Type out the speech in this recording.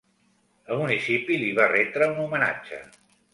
El municipi li va retre un homenatge.